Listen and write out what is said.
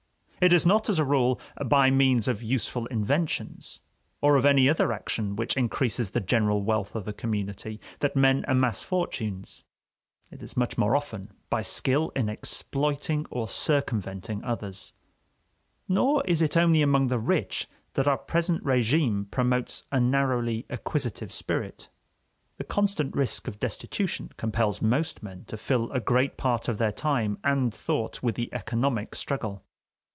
It is not, as a rule, by means of useful inventions, or of any other action which increases the general wealth of the community, that men amass fortunes; it is much more often by skill in exploiting or circumventing others. Nor is it only among the rich that our present régime promotes a narrowly acquisitive spirit. The constant risk of destitution compels most men to fill a great part of their time and thought with the economic struggle.